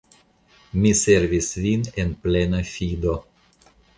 Mi servis vin en plena fido.